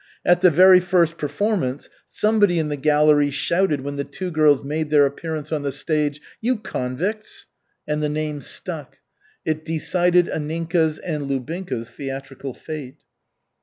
At the very first performance somebody in the gallery shouted when the two girls made their appearance on the stage, "You convicts!" And the name stuck. It decided Anninka's and Lubinka's theatrical fate.